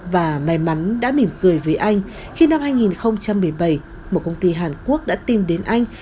và may mắn đã mỉm cười với anh khi năm hai nghìn một mươi bảy một công ty hàn quốc đã tìm đến anh